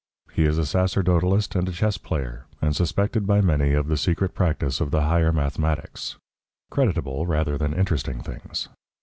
He is a sacerdotalist and a chess player, and suspected by many of the secret practice of the higher mathematics creditable rather than interesting things.